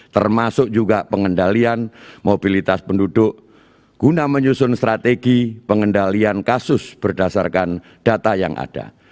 termasuk juga pengendalian mobilitas penduduk guna menyusun strategi pengendalian kasus berdasarkan data yang ada